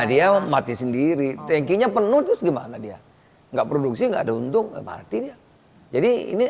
dia mati sendiri tankinya penuh terus gimana dia enggak produksi enggak ada untung mrt dia jadi ini